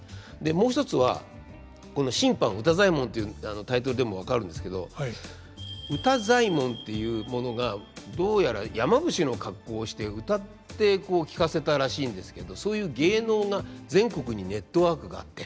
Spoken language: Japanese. もう一つはこの「新版歌祭文」ていうタイトルでも分かるんですけど「歌祭文」というものがどうやら山伏の格好をして歌ってこう聞かせたらしいんですけどそういう芸能が全国にネットワークがあって。